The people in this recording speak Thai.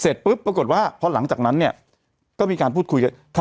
เสร็จปุ๊บปรากฏว่าพอหลังจากนั้นเนี่ยก็มีการพูดคุยกัน